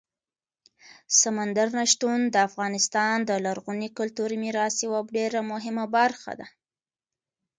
سمندر نه شتون د افغانستان د لرغوني کلتوري میراث یوه ډېره مهمه برخه ده.